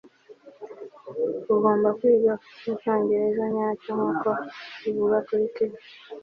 Ugomba kwigira mucyongereza nyacyo nkuko bivugwa kuri TV